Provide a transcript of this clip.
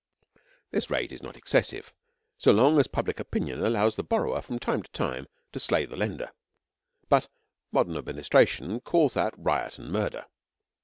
This rate is not excessive, so long as public opinion allows the borrower from time to time to slay the lender; but modern administration calls that riot and murder.